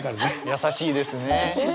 優しいですね。